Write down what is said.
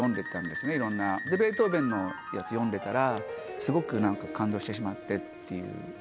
ベートーベンのやつ読んでたらすごく感動してしまってっていう。